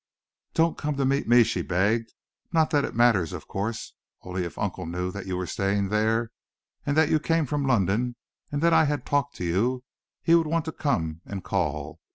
"Don't come to meet me," she begged, "not that it matters, of course, only if uncle knew that you were staying there, and that you came from London, and that I had talked to you, he would want to come and call.